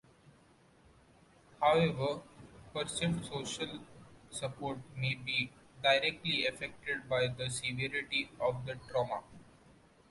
However, perceived social support may be directly affected by the severity of the trauma.